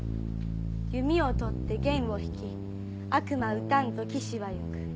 「弓を取って弦を引き悪魔討たんと騎士はゆく。